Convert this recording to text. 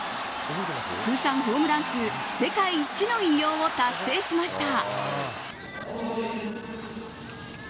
通算ホームラン数世界一の偉業を達成しました。